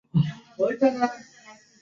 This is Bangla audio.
এরকম গাধামো কাজ আমি কেন করব?